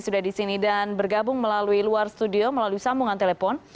sudah di sini dan bergabung melalui luar studio melalui sambungan telepon